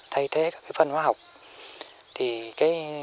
thay thế các phân hữu hóa học